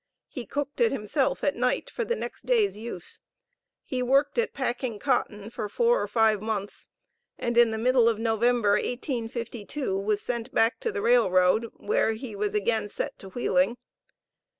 He cooked it himself at night, for the next day's use. He worked at packing cotton for four or five months, and in the middle of November, 1852, was sent back to the railroad, where he was again set to wheeling.